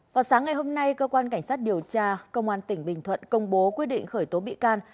vào sáng ngày hôm nay cơ quan cảnh sát điều tra công an tỉnh bình thuận công bố quyết định khởi tố bị can